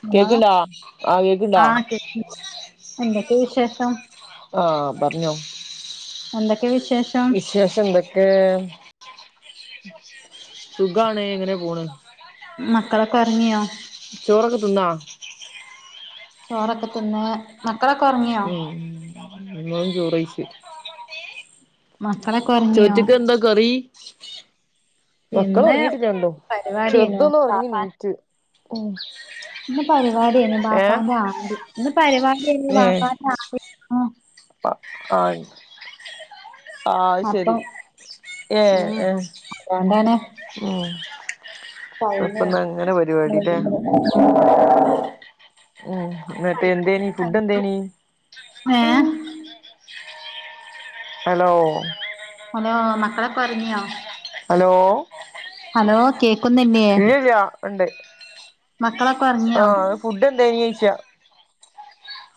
Hello കേക്ക്ണ്ടാ ആഹ് കേക്ക്ണ്ടാ ആഹ് കേക്ക് എന്തൊക്കെ വിശേഷം ആഹ് പർഞ്ഞോ എന്തൊക്കെ വിശേഷം വിശേഷം എന്തൊക്കെ സുഖാണ് ങ്ങനെ പോണ് മക്കളൊക്കെ ഒർങ്ങിയോ ചോറൊക്കെ ത്‌ന്നോ ചോറൊക്കെ ത് ന്ന് മക്കളൊക്കൊർ ഉം ങ്ങളും ചോറയ്ച്ച് മക്കളൊക്കൊർങ്ങിയോ ചോറ്റ്ക്ക് എന്താ കറി മക്കൾ ഇന്ന് ഒറങ്ങിട്ടില്ല രണ്ടും പരിപാടി എയ്നൂ ചെറുതൊന്ന് ഒറങ്ങി വാപ്പാ നീറ്റ് ഉം ഇന്ന് പരിപാടിയ്ന് ഏഹ് ബാപ്പാന്റെ ആണ്ട് ന്ന് പരിപാടിയ്ന് ബാപ്പാന്റെ ആണ്ട് ആഹ് അ ആയ് ആഹ് ശരി അപ്പം ഏഹ് ഉം ഏഹ് അതോണ്ടാണ് ഉം ടൈമേ അപ്പന്നങ്ങനെ പരിപാടില്ലേ ഉം ന്നട്ട് എന്തേനി ഫുഡന്തേനി ഏഹ് ഹലോ ഹലോ മക്കളൊക്കൊർങ്ങിയോ ഹലോ ഹലോ കേക്കുന്നില്ലേ ഇല്ലില്ല ഉണ്ട് മക്കളൊക്കെ ഒർങ്ങിയോ ആഹ് ഫുഡ് എന്തയ്നോച്ച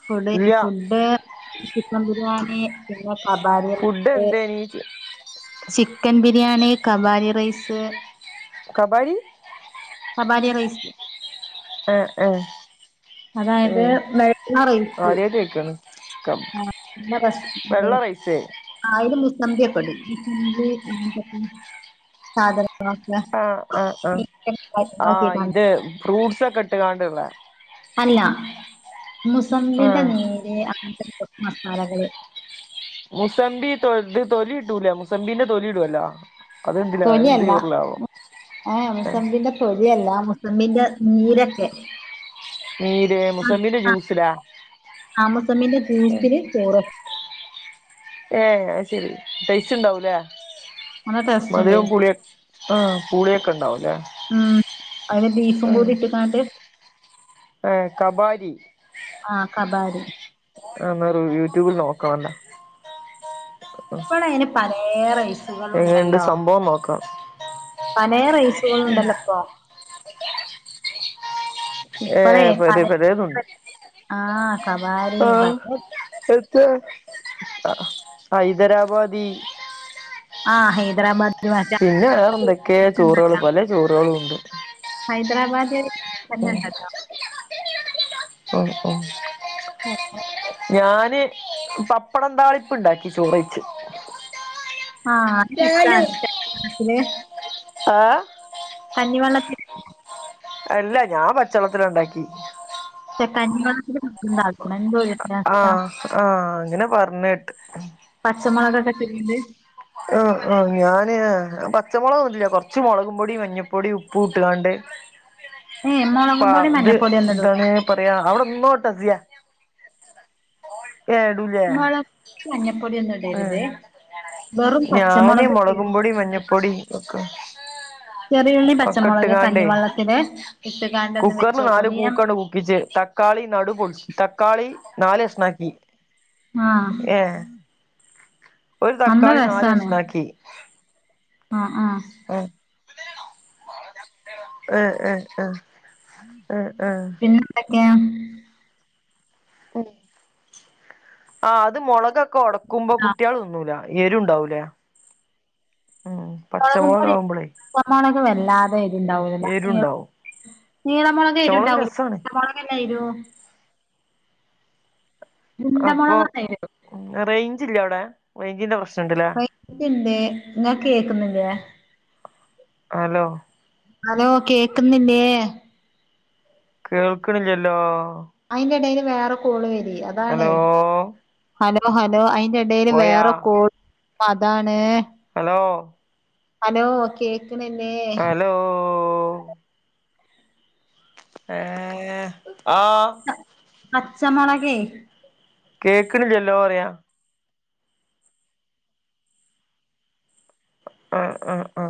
ഫുഡ് ഫുഡ് ചിക്കൻ ബിരിയാണി പിന്നെ കബാരിയ ഫുഡ് പുട്ട് എന്തേനി ചോയ്ച്ച് ചിക്കൻ ബിരിയാണി കബാരി റൈസ് കബാലി കാബാരി റൈസ് ഏഹ് എഹ് അതായത് വെള്ള റൈസ് ആദ്യായിട്ട് കേക്കാണ് വെള്ള റൈസ് [unintelligible] ആയില് മുസമ്പി ഒക്കെ ഇടും മുസമ്പി [unintelligible] സാധന ആഹ് ആഹ് ആഹ് ആഹ് ഇത് [unintelligible] ഫ്രൂട്ട്സ് ഒക്കെട്ട്ങ്ങാണ്ടുള്ള അല്ല മുസമ്പിന്റെ ആഹ് നീര് അങ്ങനത്തെ ഒക്കെ ഓരോ മസാലകള് മുസബി ഇത് തോലിയിട്ടൂലെ മുസബീന്റെ തോലിയിടല്ലോ അതെന്ത്‌ലാ എന്ത് തൊലിയല്ല ചോറ് ലാഭം ഏ തൊലിയല്ല മുസമ്പിന്റെ നീരൊക്കെ നീര് മുസമ്പിന്റെ ജ്യൂസിലാ [unintelligible] മുസമ്പിന്റെ ജ്യൂസിൽ ചോർ ഏയ് അത് ശെരി ടേസ്റ്റ് ഇണ്ടാവൂലേ നല്ല ടേസ്റ്റ് മധുരം ഉണ്ട് പുളി ഒക്കെ ആഹ പുളിയൊക്കെ ഇണ്ടാവും അല്ലേ അയില് ബീഫും കൂടി ഇട്ട്കാണ്ട് ഏ കബാരീ ആ കബാരി ന്നരു യൂട്യൂബിൽ നോക്കാ വണ്ട ഇപ്പളെ അയിന് പലേ റൈസും എങ്ങനെണ്ട് സംഭവം നോക്കാം പലേ റൈസുകളുണ്ടല്ലോ ഇപ്പൊ ഇപ്പളേ ഏഹ് പ പല പലേതുണ്ട് ആ കബാരി ആഹ് പല ഹൈദരാബാദി ആ ഹൈദരാബാദ് പിന്നെ വേറെ എന്തൊക്കെയ ചോറുകള് പല ചോറുകളും ഉണ്ട് ഹൈദരാബാദി [unintelligible] തന്നെ ഉണ്ടല്ലോ ഓ ഓ ആഹ് ഞാന് പപ്പടം താളിപ്പ്ണ്ടാക്കി ചോറയ്ച്ച് ആഹ് അത്‌ രസാണ് കഞ്ഞി വെള്ളത്തില് ആ കഞ്ഞിവെള്ളത്തില് അല്ല ഞാൻ പച്ചവെള്ളത്തിലാണ്ടാക്കി കഞ്ഞി വള്ളത്തില്ണ്ടാക്ണ് എന്തോര് ആഹ് ആഹ് അങ്ങനെ പറഞ്ഞേട്ട്. പച്ചമൊളകൊക്കെ ഇട്ടിങ്ങാണ്ട്. ആ ആ് ഞാന് പച്ചമുളകൊന്നുംല്ല കുറച്ച് മുളകും പൊടി മഞ്ഞപ്പൊടി ഉപ്പൂട്ടുങ്ങാണ്ട് ഏ മൊളകും പൊടി മഞ്ഞപ്പൊടി ഒന്നും ഇടൂ പസയാ അവിടെന്നോട്ടസ്യേ ഇടൂലേ മൊളക് പൊടി മഞ്ഞപ്പൊടിയൊന്നും ഇടരുത് ഉം വെറും ഞാന് പച്ചമൊളക് മുളകും പൊടി [unintelligible] മഞ്ഞപ്പൊടി ഒക്കെ ചെറിയുള്ളി ഒക്കെ പച്ചമുളക് ഇട്ടുകാണ്ടേ കഞ്ഞിവെള്ളത്തില് ഇട്ട്ങ്ങാണ്ട് ഒന്ന് വെച്ചോക്കോണ്ടി ഞാൻ പ്പിജ് തക്കാളി നടുപൊളിച്ച് തക്കാളി നാല്കഷണാക്കി. ആഹ് ഒരു അന്ന് തക്കാളി നാല് രസാണ് കഷ്ണാക്കി ആ ആ ആഹ് അ അഹ് ആഹ് ആഹ ന്തൊക്ക്യ ഉ ആ അത് മുളകൊക്കെ ഒടക്കുമ്പോ ആഹ് കുട്ടിയാള് തിന്നൂല. എരുണ്ടാവൂലേ ഉം പച്ചമുളക് മൊളകുംമ്പൊടി ആവുമ്പോളേ മൊളക് വല്ലാതെ എരിണ്ടാവൂല എരുണ്ടാവും [unintelligible] നീളംമൊളക് പച്ചമുളക് എരിണ്ടാവൂല രസാണ് ഉണ്ടമുളകല്ലെ എരു അപ്പൊ ഉണ്ടമുളകാണ് എരു റേഞ്ച് ഇല്ല അവിടെ റേഞ്ചിന്റെ പ്രശ്നണ്ട്ല്ലേ? ത്ണ്ട് ങ്ങക്ക് കേക്കുന്നില്ലേ അലോ അലോ കേക്കുന്നില്ലേ? കേൾക്ക്ണില്ലല്ലോ അയിന്റെടേല് വേറെ കോള് വരി അതാണേ ഹലോ ഹലോ ഹലോ എടേല് പോയാ വേറെ കോള് അതാണ്. ഹലോ അലോ കേക്ക്ണില്ലേ? ഹലോ ഏഹ് ആ പച്ചമൊളകെയ്. കേക്ക്ണില്ലലോറയാ ആ ആ ആ